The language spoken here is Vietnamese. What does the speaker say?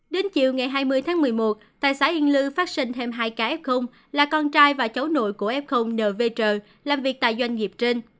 đến chiều ngày hai mươi tháng một mươi một tại xã yên lư phát sinh thêm hai cái f là con trai và cháu nội của f nvr làm việc tại doanh nghiệp trên